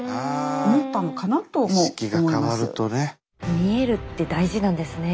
見えるって大事なんですね。